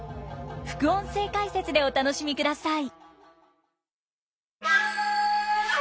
副音声解説でお楽しみください。